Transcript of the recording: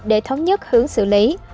để thống nhất hướng xử lý